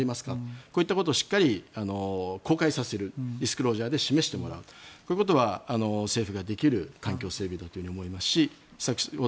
こういったことをしっかり公開させるディスクロージャーで示してもらうこういうことは政府ができる環境整備だと思いますし先ほど